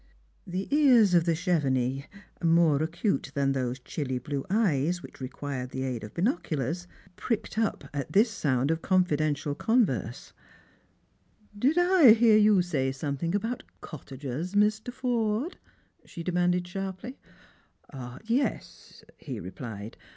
The ears of the Chevenix, more acute than those chilly blue eyes which required the aid of binoculars, pricked up at this eound of confidential converse. C8 Strangers and Pilgrims. " Did I hear you say something about cottagers, Mr. Forde P" she demanded sharply. "Yes," he replied.